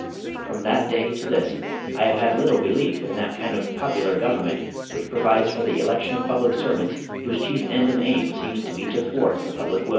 From that day to this I have had little belief in that kind of popular government which provides for the election of public servants whose chief end and aim seems to be to thwart the public will.